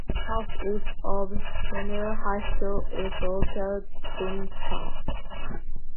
Southeast of Saline High School is located in Gypsum.